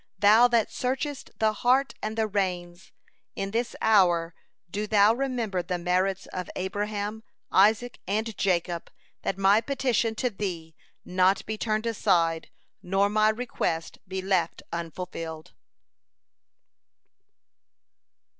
Thou that searchest the heart and the reins, in this hour do Thou remember the merits of Abraham, Isaac, and Jacob, that my petition to Thee may not be turned aside, nor my request be left unfulfilled.'